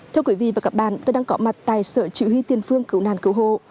theo quý vị và các bạn tôi đang có mặt tài sở chủ huy tiền phương cứu nạn cứu hộ